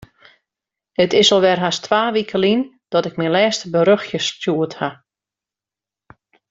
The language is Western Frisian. It is alwer hast twa wike lyn dat ik myn lêste berjochtsje stjoerd haw.